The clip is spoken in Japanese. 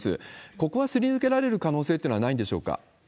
ここはすり抜けられる可能性というのはないんでしょうか？